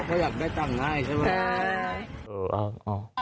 เขาอยากได้ตังค์ง่ายใช่ไหม